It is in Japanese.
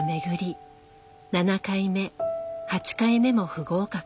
７回目８回目も不合格。